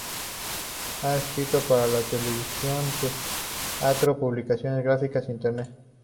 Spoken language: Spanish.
Ha escrito para televisión, teatro, publicaciones gráficas e Internet.